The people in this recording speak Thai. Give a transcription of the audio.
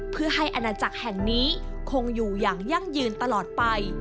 เพื่อให้อาณาจักรแห่งนี้คงอยู่อย่างยั่งยืนตลอดไป